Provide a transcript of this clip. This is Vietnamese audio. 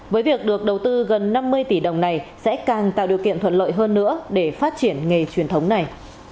với việc được đầu tư gần năm mươi tỷ đồng này sẽ càng tạo điều kiện thuận lợi hơn nữa để phát triển nghề truyền thống này